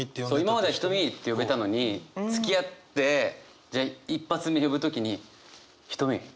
今まで「ひとみ」って呼べたのにつきあってじゃあ一発目呼ぶ時にひとみ。